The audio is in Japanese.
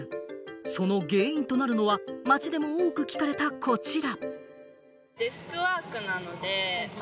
その原因となるのが、街でも多く聞かれたこちら。